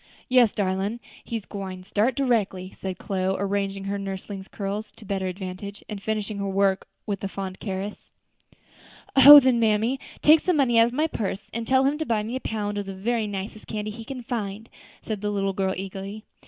"Yes, darlin', he gwine start directly," said Chloe, arranging her nursling's curls to better advantage, and finishing her work with a fond caress. "Oh! then, mammy, take some money out of my purse, and tell him to buy me a pound of the very nicest candy he can find," said the little girl, eagerly.